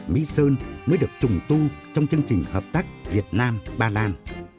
mỹ sơn mới được trùng tu trong chương trình hợp tác việt nam ba lan